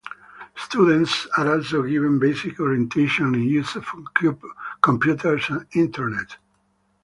Students are also given basic orientation in use of Computers and Internet.